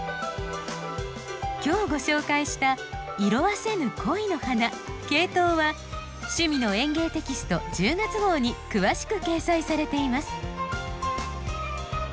今日ご紹介した「“色あせぬ恋”の花ケイトウ」は「趣味の園芸」テキスト１０月号に詳しく掲載されています。